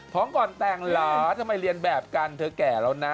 ก่อนแต่งเหรอทำไมเรียนแบบกันเธอแก่แล้วนะ